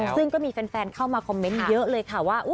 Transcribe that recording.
ซึ่งก็มีแฟนเข้ามาคอมเมนต์เยอะเลยค่ะว่า